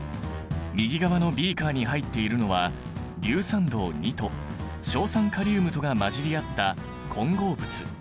右側のビーカーに入っているのは硫酸銅と硝酸カリウムとが混じり合った混合物。